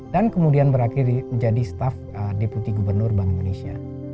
dan kemudian berakhir menjadi staf deputi gubernur bank indonesia